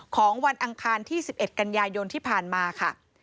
ของวันอังคารที่๑๑กันยายนที่ผ่านมาค่ะ